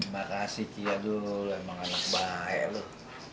makasih ki aduh emang anak baik loh